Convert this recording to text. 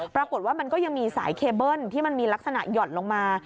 ปรากฏว่ามันก็ยังมีสายเคเบิ้ลที่มันมีลักษณะหย่อนลงมา